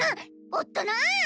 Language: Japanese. ⁉おっとなー！